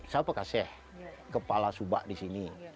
saya pekaseh kepala subak di sini